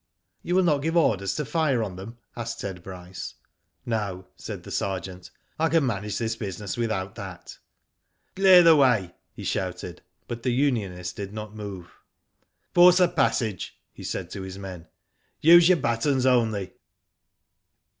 *' You will not give orders to fire on them ?" asked Ted Bryce. " No," said the sergeant, *' I can manage this business without that.'^ " Clear the way," he shouted. But the unionists did not move. '* Force a passage," he said to his men. "Use your batons only."